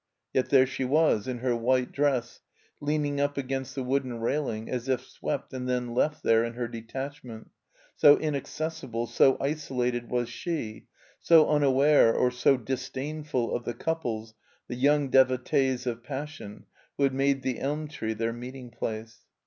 Yet there she was, in her white dress, leaning up against the wooden railing, as if swept and then left there in her detach ment, so inaccessible, so isolated was she, so tmaware or so disdainful of the couples, the yoimg devotees of passion, who had made the elm tree their meeting place.